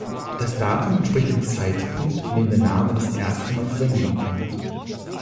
Das Datum entspricht dem Zeitpunkt, an dem der Name das erste Mal Verwendung fand.